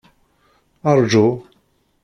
Rǧu!